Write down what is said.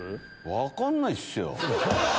分かんないっすよ。